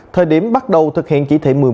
thời điểm bắt đầu thực hiện chỉ thị một mươi một